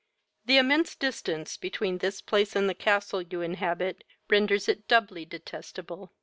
The immense distance between this place and the castle you inhabit renders it doubly detestable.